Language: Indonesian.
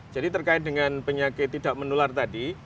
jadi terkait dengan penyakit tidak menular tadi